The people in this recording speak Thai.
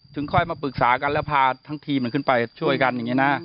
ค่อยมาปรึกษากันแล้วพาทั้งทีมมันขึ้นไปช่วยกันอย่างนี้นะ